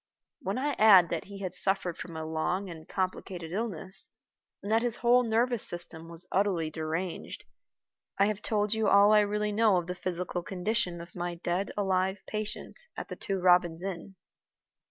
When I add that he had suffered from a long and complicated illness, and that his whole nervous system was utterly deranged, I have told you all I really know of the physical condition of my dead alive patient at the Two Robins Inn.